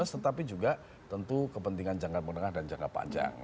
tetapi juga tentu kepentingan jangka menengah dan jangka panjang